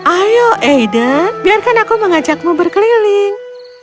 ayo aiden biarkan aku mengajakmu berkeliling